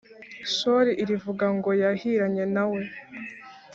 shori irivuga ngo yahiranye na we.